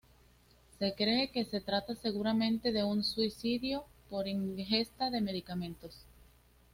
Se cree que se trata seguramente de un suicidio por ingesta de medicamentos.